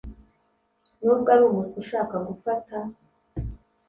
nubwo ari umuswa ushaka gufata